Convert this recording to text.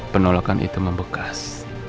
penolakan itu membekas